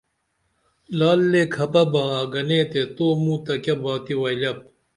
لعل لے کھپہ با آ گنی تے توموتہ کیہ باتی ولیایپ